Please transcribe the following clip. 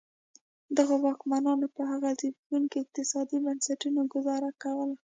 دغو واکمنانو په هغه زبېښونکو اقتصادي بنسټونو ګوزاره کوله.